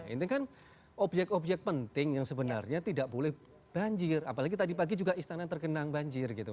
ini kan objek objek penting yang sebenarnya tidak boleh banjir apalagi tadi pagi juga istana tergenang banjir gitu